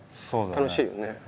そうだね。